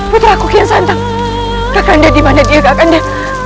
putraku kian santang kakak anda dimana dia kakak anda